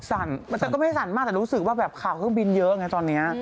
แต่ก็ไม่สั่นมากแต่รู้สึกว่าแบบข่าวเครื่องบินเยอะไงตอนนี้